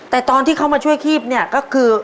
แต่ตอนที่เขามาช่วยคีบเนี่ยก็คือ